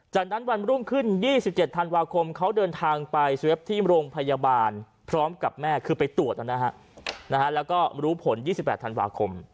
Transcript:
จากนั้นวันรุ่งขึ้น๒๗ธันวาคมเขาเดินทางไปเว็บที่โรงพยาบาลพร้อมกับแม่คือไปตรวจนะฮะแล้วก็รู้ผล๒๘ธันวาคม